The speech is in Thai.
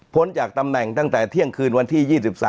จากตำแหน่งตั้งแต่เที่ยงคืนวันที่๒๓